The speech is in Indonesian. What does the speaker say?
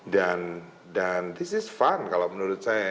dan this is fun kalau menurut saya ya